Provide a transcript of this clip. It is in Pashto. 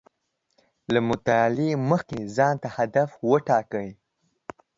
له مطالعې مخکې ځان ته هدف و ټاکئ